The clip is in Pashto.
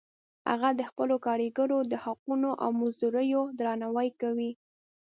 هغه د خپلو کاریګرو د حقونو او مزدوریو درناوی کوي